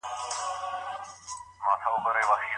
چېري نړیوالي غونډي جوړیږي؟